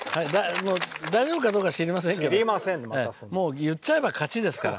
大丈夫かどうか知りませんけど言っちゃえば勝ちですから。